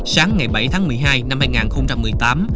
sáng ngày bảy tháng một mươi hai năm hai nghìn một mươi tám